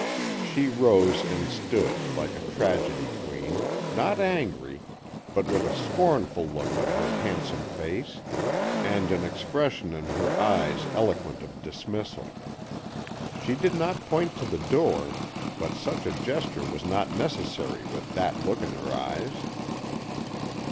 She rose and stood, like a tragedy queen, not angry, but with a scornful look on her handsome face and an expression in her eyes eloquent of dismissal. She did not point to the door, but such a gesture was not necessary with that look in her eyes.